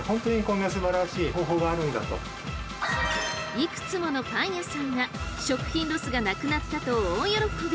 いくつものパン屋さんが食品ロスがなくなったと大喜び。